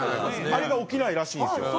あれが起きないらしいんですよ。